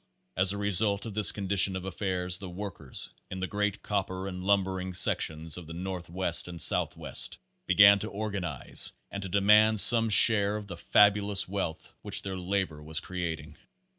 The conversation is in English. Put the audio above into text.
As a result of this condition of affairs the workers in the great copper and lumbering sections of the north west and southwest began to organize and to demand some share of the fabulous wealth which their labor was creating.